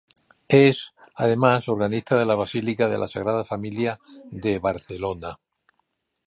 Es, además, organista de la Basílica de la Sagrada Familia de Barcelona.